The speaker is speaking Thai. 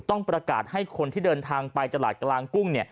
ต้องประกาศให้คนที่เดินทางไปตลาดกลางกุ้ง